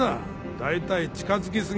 大体近づきすぎ。